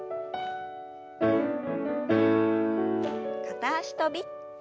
片脚跳び。